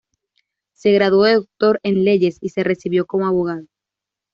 Se graduó de doctor en Leyes y se recibió como abogado.